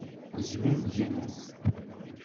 Zmumgen.